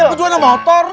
lu juga ada motor